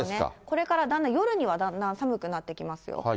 これから、だんだん、夜にはだんだん寒くなってきますよ。